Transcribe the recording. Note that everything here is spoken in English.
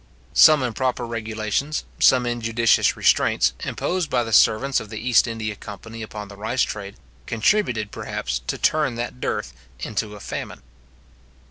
Some improper regulations, some injudicious restraints, imposed by the servants of the East India Company upon the rice trade, contributed, perhaps, to turn that dearth into a famine.